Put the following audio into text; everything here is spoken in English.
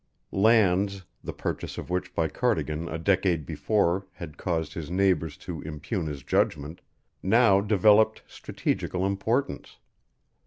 Lands, the purchase of which by Cardigan a decade before had caused his neighbours to impugn his judgment, now developed strategical importance.